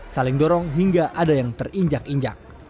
saling dorong hingga ada yang terinjak injak